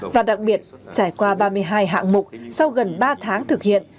và đặc biệt trải qua ba mươi hai hạng mục sau gần ba tháng thực hiện